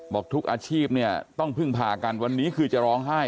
บอกทุกอาชีพเนี่ยต้องพึ่งพากันวันนี้คือจะร้องไห้